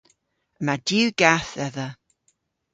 Yma diw gath dhedha.